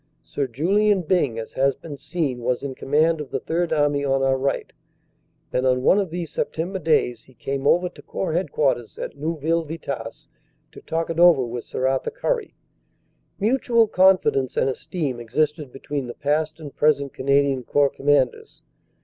Sir Julian Byng, as has been seen, was in command of the Third Army on our right, and on one of these September days 15 210 CANADA S HUNDRED DAYS he came over to Corps Headquarters at Neuville Vitasse to talk it over with Sir Arthur Currie. Mutual confidence and esteem existed between the past and present Canadian Corps Commanders.